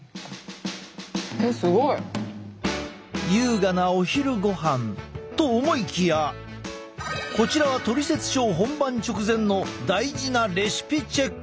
優雅なお昼ごはん。と思いきやこちらは「トリセツショー」本番直前の大事なレシピチェック。